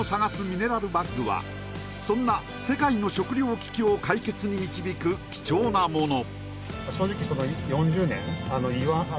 ミネラルバッグはそんな世界の食糧危機を解決に導く貴重なもの